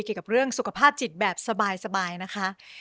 เกี่ยวกับเรื่องสุขภาพจิตแบบสบายนะคะ